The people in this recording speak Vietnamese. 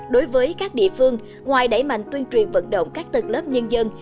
đối với các địa phương ngoài đẩy mạnh tuyên truyền vận động các tầng lớp nhân dân